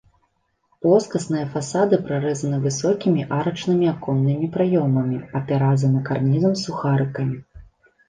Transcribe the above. Плоскасныя фасады прарэзаны высокімі арачнымі аконнымі праёмамі, апяразаны карнізам з сухарыкамі.